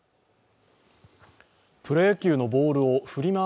プロ野球のボールをフリマ